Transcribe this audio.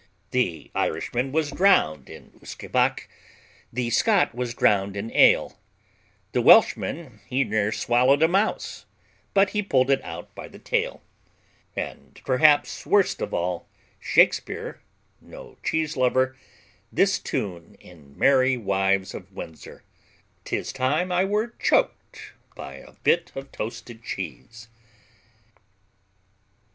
The Irishman was drowned in usquebaugh, The Scot was drowned in ale, The Welshman he near swallowed a mouse But he pulled it out by the tail. And, perhaps worst of all, Shakespeare, no cheese lover, this tune in Merry Wives of Windsor: 'Tis time I were choked by a bit of toasted cheese.